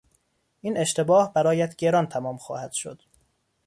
این اشتباه برایت گران تمام خواهد شد.